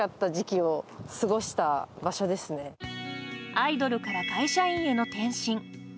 アイドルから会社員への転身。